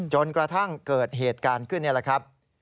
จนกระทั่งเกิดเหตุการณ์ขึ้นนี่แหละครับ